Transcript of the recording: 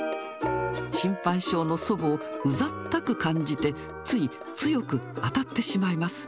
心配性の祖母をうざったく感じてつい、強く当たってしまいます。